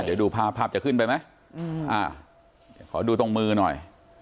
เดี๋ยวดูภาพภาพจะขึ้นไปไหมขอดูตรงมือหน่อย